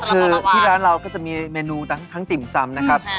คือที่ร้านเราก็จะมีเมนูทั้งติ่มซำนะครับ